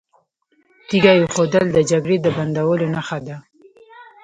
تیږه ایښودل د جګړې د بندولو نښه ده.